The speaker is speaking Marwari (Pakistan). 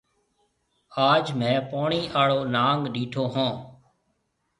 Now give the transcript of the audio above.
آج ميه پوڻِي آݪو ناگ ڏيٺو هون۔